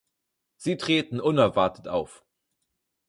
Sie treten unerwartet auf.